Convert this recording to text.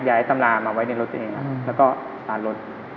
ย้ายตำรามาไว้ในรถเองแล้วก็ตัดรถ